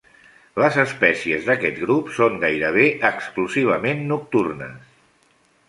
Les espècies d'aquest grup són gairebé exclusivament nocturnes.